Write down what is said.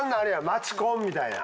街コンみたいな。